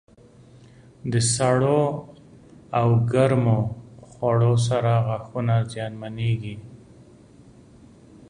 د سړو او ګرم خوړو سره غاښونه زیانمنېږي.